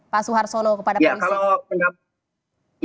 pak suhartolo kepada polisi